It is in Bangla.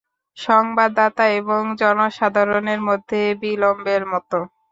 সংবাদদাতা এবং জনসাধারণের মধ্যে বিলম্বের মতো।